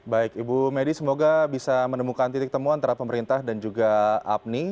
baik ibu medi semoga bisa menemukan titik temu antara pemerintah dan juga apni